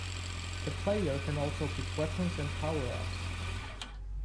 The player can also pick weapons and power-ups.